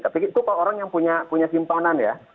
tapi itu kalau orang yang punya simpanan ya